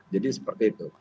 jadi seperti itu